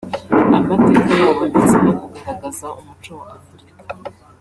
amateka yabo ndetse no kugaragaza umuco wa Afurika